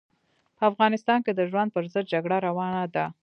په افغانستان کې د ژوند پر ضد جګړه روانه ده.